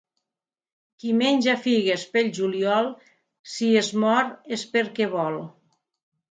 Qui menja figues pel juliol, si es mor és perquè vol.